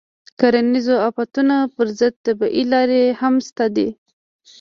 د کرنیزو آفتونو پر ضد طبیعي لارې هم شته دي.